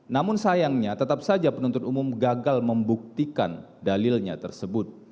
namun sayangnya tetap saja penuntut umum gagal membuktikan dalilnya tersebut